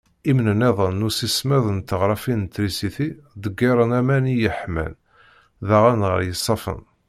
Imnenniḍen n ussismeḍ n tneɣrafin n trisiti, ḍeggiren aman i yeḥman daɣen ɣer yisaffen.